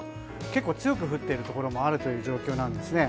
結構、強く降っているところもある状況なんですね。